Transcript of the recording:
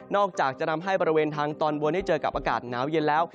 อกจากจะทำให้บริเวณทางตอนบนได้เจอกับอากาศหนาวเย็นแล้ว